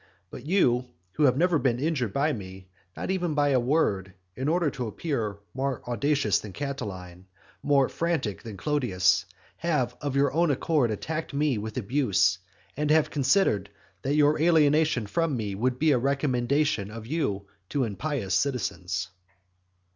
But you, who have never been injured by me, not even by a word, in order to appear more audacious than Catiline, more frantic than Clodius, have of your own accord attacked me with abuse, and have considered that your alienation from me would be a recommendation of you to impious citizens.